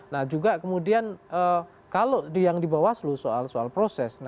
nah juga kemudian kalau yang di bawaslu soal soal proses